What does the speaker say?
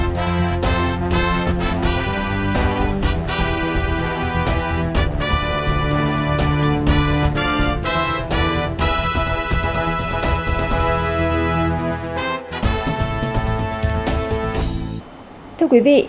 thưa quý vị